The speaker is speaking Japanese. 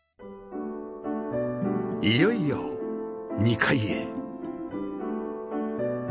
いよいよ２階へ